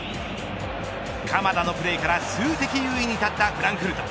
鎌田のプレーから数的優位に立ったフランクフルト。